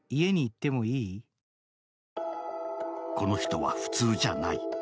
この人は普通じゃない。